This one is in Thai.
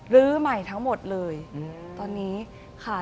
ลื้อใหม่ทั้งหมดเลยตอนนี้ค่ะ